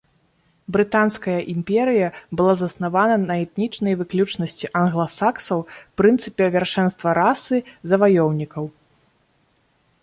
Брытанская імперыя была заснавана на этнічнай выключнасці англасаксаў, прынцыпе вяршэнства расы заваёўнікаў.